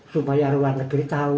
supaya ruang negeri tahu